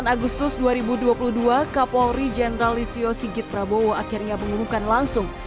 sembilan agustus dua ribu dua puluh dua kapolri jenderal listio sigit prabowo akhirnya mengumumkan langsung